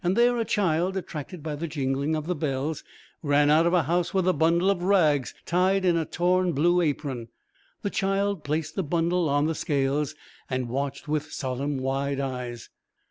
There, a child, attracted by the jingling of the bells, ran out of a house with a bundle of rags tied in a torn blue apron. The child placed the bundle on the scales and watched with solemn wide eyes.